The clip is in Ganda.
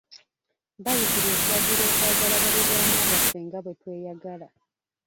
Bbayibuli etulagira okwagala baliraanwa baffe nga bwe tweyagala.